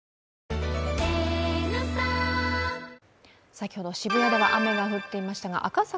先ほど渋谷では雨が降っていましたが、赤坂、